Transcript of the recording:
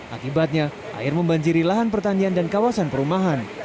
akibatnya air membanjiri lahan pertanian dan kawasan perumahan